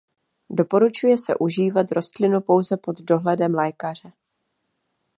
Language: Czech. Doporučuje se užívat rostlinu pouze pod dohledem lékaře.